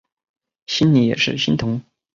心里也是心疼